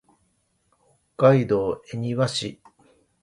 北海道恵庭市